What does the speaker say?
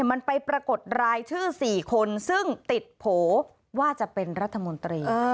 มันไปปรากฏรายชื่อ๔คนซึ่งติดโผล่ว่าจะเป็นรัฐมนตรี